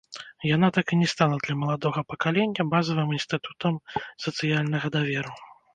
Яна так і не стала для маладога пакалення базавым інстытутам сацыяльнага даверу.